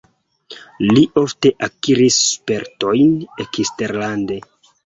Li ofte akiris spertojn eksterlande.